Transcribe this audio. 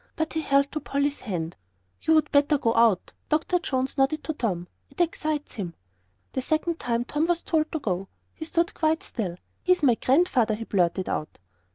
But he held to Polly's hand. "You would better go out," Dr. Jones nodded to Tom. "It excites him." The second time Tom was told to go. He stood quite still. "He's my Grandfather!" he blurted out.